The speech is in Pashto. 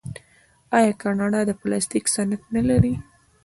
آیا کاناډا د پلاستیک صنعت نلري؟